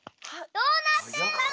どうなってるの？